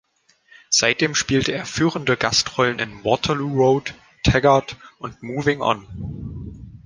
Seitdem spielte er führende Gastrollen in „Waterloo Road“, „Taggart“ und „Moving On“.